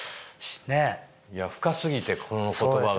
深すぎてこの言葉が。